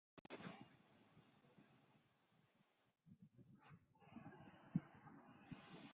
圣瓦利耶德蒂耶伊人口变化图示